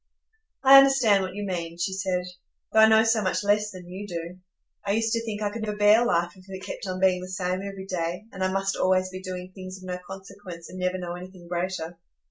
"I understand what you mean," she said, "though I know so much less than you do. I used to think I could never bear life if it kept on being the same every day, and I must always be doing things of no consequence, and never know anything greater.